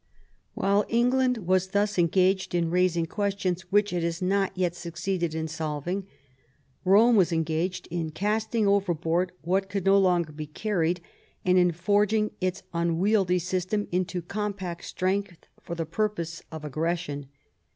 While England was thus engaged in raising questions which it has not yet succeeded in solving, Rome was engaged in casting overboard what could no longer be carried, and in forging its unwieldy system into compact strength for the purpose of aggression.